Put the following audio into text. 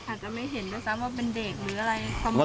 อาจจะไม่เห็นด้วยซ้ำว่าเป็นเด็กหรืออะไรประมาณ